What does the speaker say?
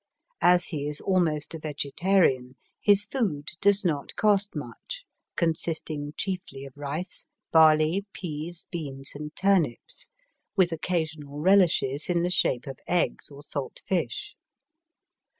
As he is almost a vege tarian, his food does not cost much, consisting chiefly of rice, barley, peas, beans, and turnips, with occasional relishes in the shape of eggs or salt fish.